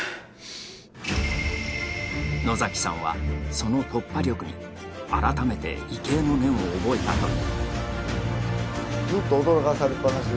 野崎さんはその突破力に、改めて畏敬の念を覚えたという。